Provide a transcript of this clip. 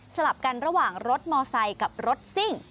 ลับกันระหว่างรถมอไซค์กับรถซิ่ง